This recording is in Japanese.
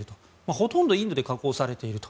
ほとんどインドで加工されていると。